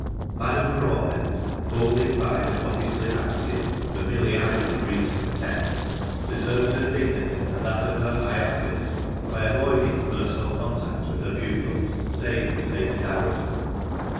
Madame Broadbent, holding by the copy slip axiom, "Familiarity breeds contempt," preserved her dignity and that of her high office by avoiding personal contact with her pupils, save at stated hours.